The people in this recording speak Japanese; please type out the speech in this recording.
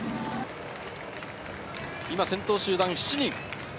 今、先頭集団は７人。